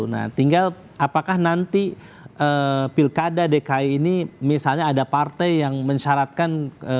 nah tinggal apakah nanti pilkada dki ini misalnya ada partai yang mensyaratkan